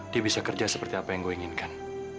dia bisa kerja seperti apa yang gue inginkan